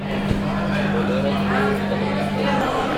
Tolera el frío y calor extremos.